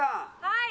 はい。